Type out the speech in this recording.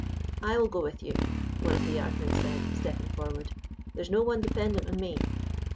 "I will go with you," one of the yard men said, stepping forward; "there's no one dependent on me."